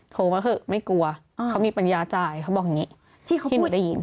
โทรเขาคือไม่กลัวเขามีปัญญาจ่ายเขาบอกอย่างนี้